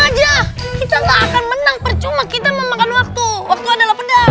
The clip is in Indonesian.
kita nggak bisa kita pulang aja kita nggak akan menang percuma kita memakan waktu waktu adalah